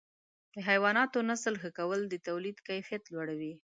د حیواناتو نسل ښه کول د تولید کیفیت لوړوي.